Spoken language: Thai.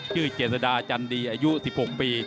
เจษดาจันดีอายุ๑๖ปี